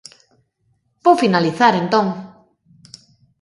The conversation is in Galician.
Vou finalizar entón.